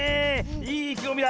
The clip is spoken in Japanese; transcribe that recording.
いいいきごみだ。